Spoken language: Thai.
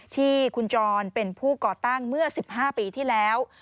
ที่คุณจรเป็นผู้ก่อตั้งเมื่อ๑๕ปีที่แล้ว